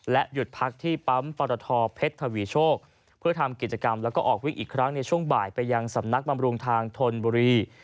หยุดพักที่ปั๊มปรทเพชรทวีโชคเพื่อทำกิจกรรมแล้วก็ออกวิ่งอีกครั้งในช่วงบ่ายไปยังสำนักบำรุงทางธนบุรี